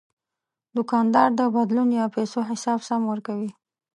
دوکاندار د بدلون یا پیسو حساب سم ورکوي.